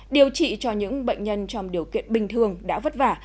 điều trị cho những bệnh nhân trong điều kiện bình thường đã vất vả